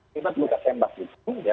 tiba tiba tembak itu ya